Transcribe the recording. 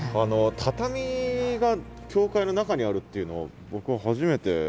畳が教会の中にあるっていうのを僕は初めて見ましたね。